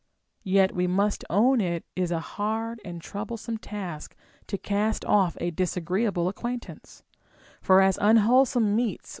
* Yet we must own it is a hard and troublesome task to cast off a dis agreeable acquaintance ; for as unwholesome meats which * Sophocles, Frag.